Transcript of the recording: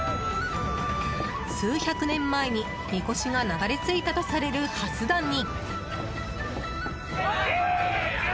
数百年前に、みこしが流れ着いたとされるハス田に。